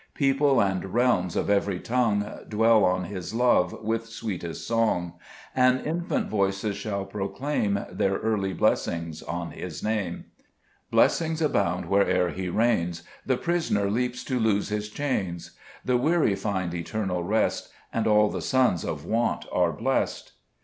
3 People and realms of even' tongue Dwell on His love with sweetest song ; And infant voices shall proclaim Their early blessings on His Xame. 4 Blessings abound where'er He reigns ; The prisoner leaps to lose his chains, The weary find eternal rest, And all the sons of want are blest.